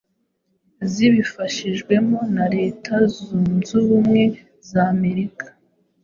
zibifashijwemo na leta zunz’ubumwe z’amerika